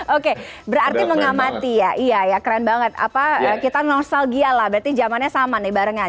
oke berarti mengamati ya iya ya keren banget apa kita nostalgia lah berarti zamannya sama nih barengan